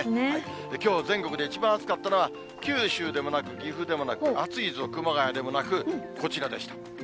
きょう、全国で一番暑かったのは、九州でもなく、岐阜でもなく、暑いぞ熊谷でもなく、こちらでした。